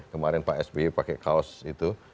kemarin pak sby pakai kaos itu